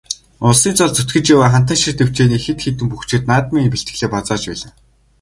Улсын цолд зүтгэж яваа Хантайшир дэвжээний хэд хэдэн бөхчүүд наадмын бэлтгэлээ базааж байгаа.